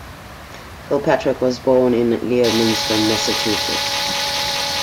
Kirkpatrick was born in Leominster, Massachusetts.